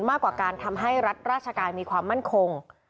มากกว่าการทำให้รัฐราชการมีความมั่นคง